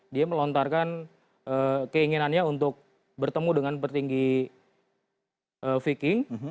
dia melontarkan keinginannya untuk bertemu dengan petinggi vicky